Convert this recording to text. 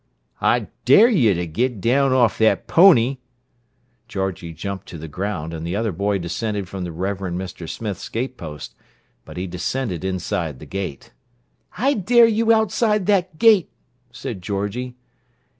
"I dare you to get down off that pony!" Georgie jumped to the ground, and the other boy descended from the Reverend Mr. Smith's gatepost—but he descended inside the gate. "I dare you outside that gate," said Georgie.